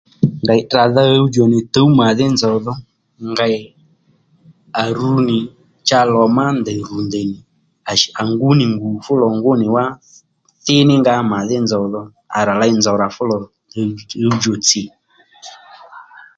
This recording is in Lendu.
Ngèy tràdha ɦuwdjò nì tǔw màdhí nzòw dho ngèy à ru nì cha lò má ndèy rù ndèy nì à ngú nì fú lò ngú nì wá thí ní ngǎ màdhí nzòw dho à rà ley fú nzòw rà ley nzòw rà fú lò ɦuwdjò tsi